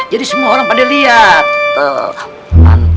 jadi semua orang pada lihat